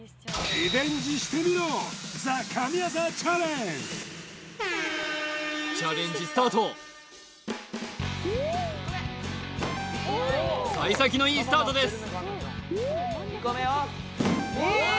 リベンジしてみろチャレンジスタートさい先のいいスタートです